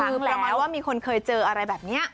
คือประมาณว่ามีคนเคยเจออะไรแบบนี้